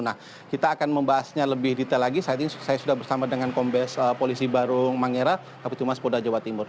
nah kita akan membahasnya lebih detail lagi saat ini saya sudah bersama dengan kombes polisi barung mangera kapitumas polda jawa timur